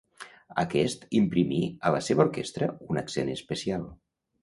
Aquest imprimí a la seva orquestra un accent especial.